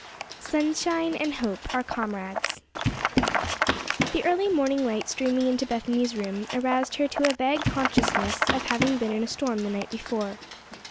"Sunshine and hope are comrades." THE early morning light streaming into Bethany's room, aroused her to a vague consciousness of having been in a storm the night before.